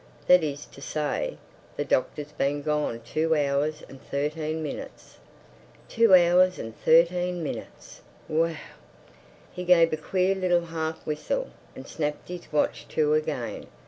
That is to say, the doctor's been gone two hours and thirteen minutes. Two hours and thirteen minutes! Whee ooh!" He gave a queer little half whistle and snapped his watch to again.